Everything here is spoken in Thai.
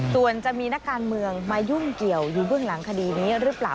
ส่วนจะมีนักการเมืองมายุ่งเกี่ยวอยู่เบื้องหลังคดีนี้หรือเปล่า